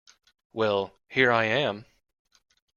Well, here I am.